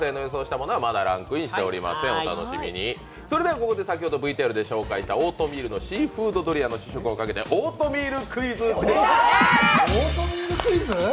ここで先ほどＶＴＲで紹介した、オートミールシーフードドリアの試食をかけてオートミールクイズです。